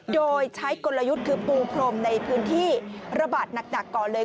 โดยใช้กลยุทธ์คือปูพรมในพื้นที่ระบาดหนักก่อนเลย